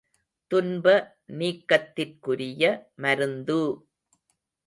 துன்ப நீக்கத்திற்குரிய மருந்து!